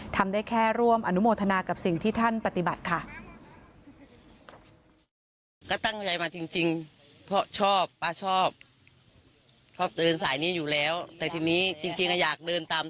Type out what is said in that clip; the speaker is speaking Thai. ทำได้แค่ร่วมอนุโมทนากับสิ่งที่ท่านปฏิบัติค่ะ